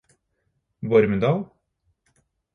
Vormedal